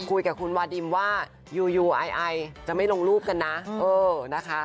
คุยกับคุณวาดิมว่าอยู่ไอไอจะไม่ลงรูปกันนะเออนะคะ